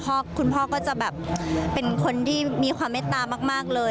คุณพ่อก็จะแบบเป็นคนที่มีความเมตตามากเลย